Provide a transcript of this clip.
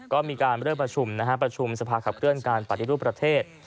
ก็มีการเริ่มประชุมนะฮะประชุมสภาขับเคลื่อนการปฏิรูปประเทศ